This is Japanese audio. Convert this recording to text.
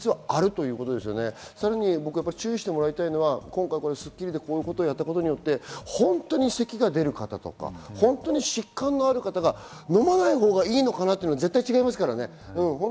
さらに注意してもらいたいのは、『スッキリ』でこういうことをやったことで本当に咳が出る方とか疾患のある方がのまないほうがいいのかなというのは違いますからね。